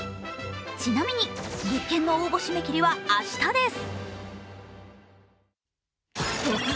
ちなみに、物件の応募締め切りは明日です。